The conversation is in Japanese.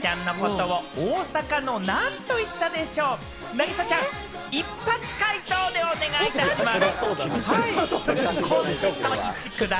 凪咲ちゃん、一発解答でお願いします。